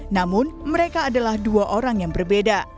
namun mereka adalah dua orang yang berbeda